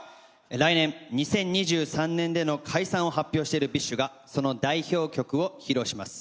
来年２０２３年での解散を発表している ＢｉＳＨ がその代表曲を披露します。